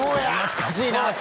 「懐かしいなあ」